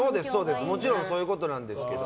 もちろんそういうことなんですけど。